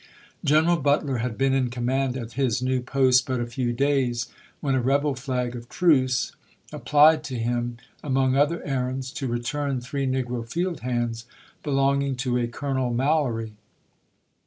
General Butler had been in command at his new post but a few days, when a rebel flag of truce ap plied to him, among other errands, to retm n three negro field hands, belonging to a Colonel Mallory.